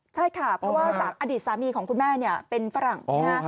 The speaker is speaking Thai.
ใช่ค่ะเพราะว่าอดีตสามีของคุณแม่เป็นฝรั่งนะฮะ